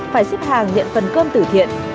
phải xếp hàng nhận phần cơm từ thiện